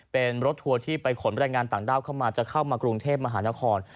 เป็นรถทัวร์ที่ไปขนแรงงานต่างด้าวเข้ามาจะเข้ามากรุงเทพมหานคร